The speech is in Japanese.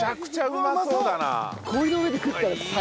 うまそうだな！